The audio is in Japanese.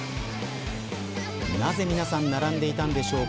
なぜ皆さん並んでいたんでしょうか。